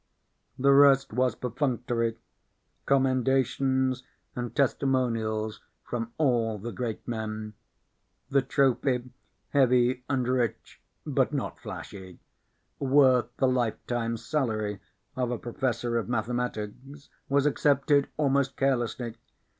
The rest was perfunctory, commendations and testimonials from all the great men. The trophy, heavy and rich but not flashy, worth the lifetime salary of a professor of mathematics, was accepted almost carelessly.